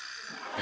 え？